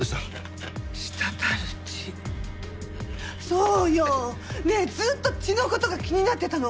そうよ！ねえずっと血の事が気になってたの。